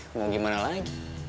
ya mau gimana lagi